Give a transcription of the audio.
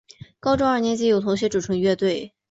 高中二年级时与同学组成乐队。